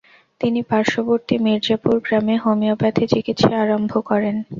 তিনি পার্শ্ববর্তী মির্জাপুর গ্রামে হোমিওপ্যাথি চিকিৎসা আরম্ভ করেন।